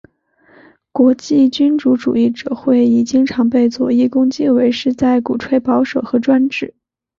国际君主主义者会议经常被左翼攻击为是在鼓吹保守和专制。